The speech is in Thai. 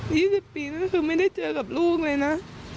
ยี่สิบปีนั้นคือไม่ได้เจอกับลูกเลยนะ